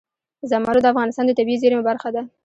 زمرد د افغانستان د طبیعي زیرمو برخه ده.